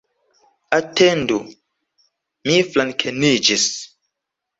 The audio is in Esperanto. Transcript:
Atendu, mi flankeniĝis.